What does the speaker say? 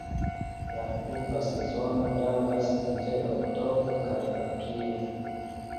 La pluva sezono daŭras inter oktobro kaj aprilo.